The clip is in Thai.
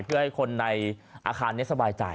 เพื่อให้คนในอาคารนี้สบายใจ